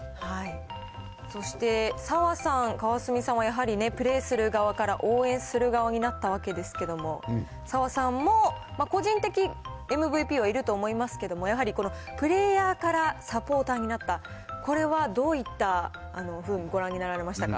そして澤さん、川澄さんは、やはり、プレーする側から応援する側になったわけですけども、澤さんも個人的ＭＶＰはいると思いますけども、やはりこのプレーヤーからサポーターになった、これはどういったふうにご覧になられましたか。